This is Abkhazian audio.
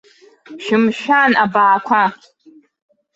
Шәымшәан, абаақәа!